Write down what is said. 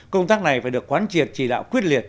công tác này phải được quán triệt chỉ đạo quyết liệt